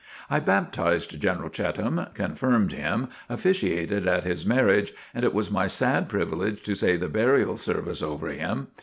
I baptized General Cheatham, confirmed him, officiated at his marriage, and it was my sad privilege to say the burial service over him.